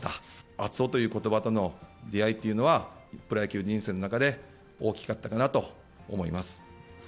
熱男ということばとの出会いというのは、プロ野球人生の中で、大きかったかなと思います。